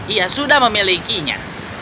ia sudah memilikinya